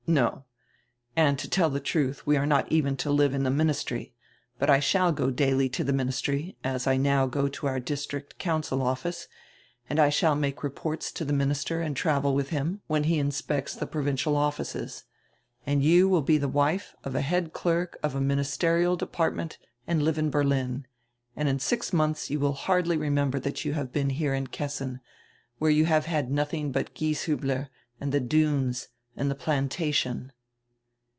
"No. And, to tell the truth, we are not even to live in the ministry, but I shall go daily to the ministry, as I now go to our district council office, and I shall make reports to the minister and travel with him, when he inspects the provincial offices. And you will be the wife of a head clerk of a ministerial department and live in Berlin, and in six months you will hardly remember that you have been here in Kessin, where you have had nothing but Gieshiibler and the dunes and the 'Plantation.'"